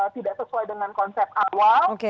tidak sesuai dengan konsep awal